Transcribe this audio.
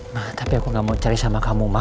ma tapi aku nggak mau cerai sama kamu ma